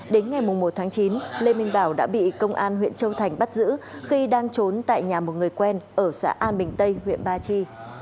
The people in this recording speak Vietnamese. đến ngày một tháng chín lê minh bảo đã bị công an huyện châu thành bắt giữ khi đang trốn tại nhà một người quen ở xã an bình tây huyện ba chi